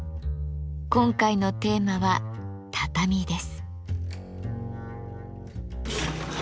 今回のテーマは「畳」です。